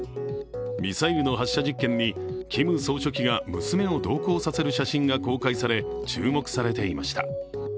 ミサイルの発射実験にキム総書記が娘を同行させる写真が公開され注目されていました。